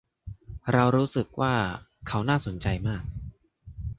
เรารู้สึกว่าเขาน่าสนใจมาก